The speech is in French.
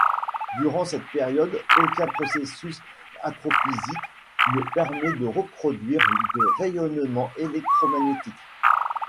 Durant cette période, aucun processus astrophysique ne permet de produire de rayonnement électromagnétique.